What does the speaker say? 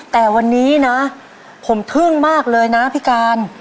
แต่วันนี้นะผมทึ่งมากเลยนะพี่การ